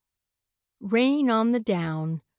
RAIN ON THE DOWN.